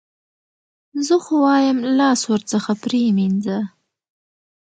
زه خو وایم لاس ورڅخه پرې مینځه.